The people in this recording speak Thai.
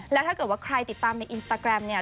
แล้วถ้าเกิดว่าใครติดตามในอินสตาแกรมเนี่ย